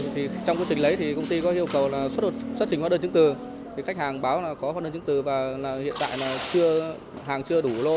trong quá trình lấy thì công ty có hiệu cầu xuất trình hoa đơn chứng từ khách hàng báo là có hoa đơn chứng từ và hiện tại là hàng chưa đủ lô